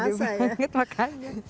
gede banget makanya